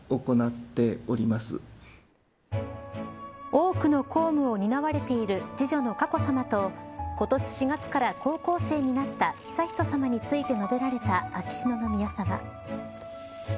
多くの公務を担われている次女の佳子さまと今年４月から高校生になった悠仁さまについて述べられた秋篠宮さま。